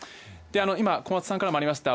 今、小松さんからもありました